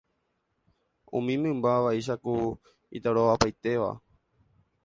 Umi mymba vaicháku itarovapaitéva.